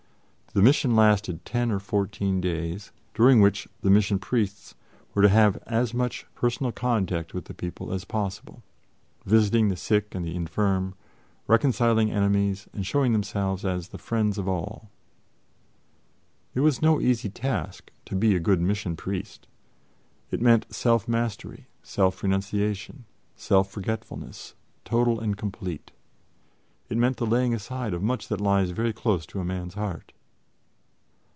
The mission lasted ten or fourteen days, during which the Mission Priests were to have as much personal contact with the people as possible, visiting the sick and the infirm, reconciling enemies and showing themselves as the friends of all. It was no easy task to be a good Mission Priest. It meant self mastery, self renunciation, self forgetfulness total and complete. It meant the laying aside of much that lies very close to a man's heart.